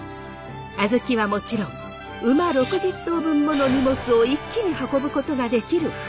小豆はもちろん馬６０頭分もの荷物を一気に運ぶことができる舟。